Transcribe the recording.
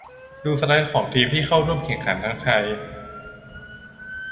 ดูสไลด์ของทีมที่เข้าร่วมแข่งขันทั้งไทย